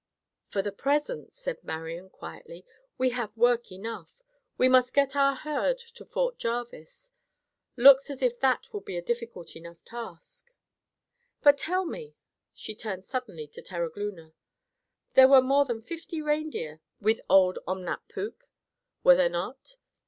"For the present," said Marian, quietly, "we have work enough. We must get our herd to Fort Jarvis. Looks as if that will be a difficult enough task." "But tell me," she turned suddenly to Terogloona, "there were more than fifty reindeer with old Omnap puk, were there not?"